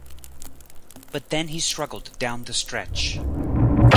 But he then struggled down the stretch.